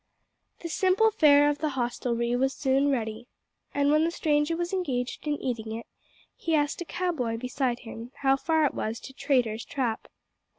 The simple fare of the hostelry was soon ready; and when the stranger was engaged in eating it, he asked a cow boy beside him how far it was to Traitor's Trap.